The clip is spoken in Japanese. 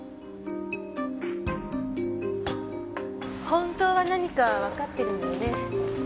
本当は何かわかってるんだよね？